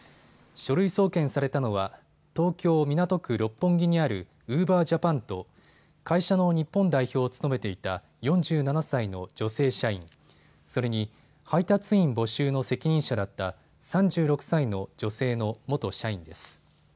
書類送検されたのは東京港区六本木にあるウーバージャパンと会社の日本代表を務めていた４７歳の女性社員、それに、配達員募集の責任者だった３６歳の女性の元社員です。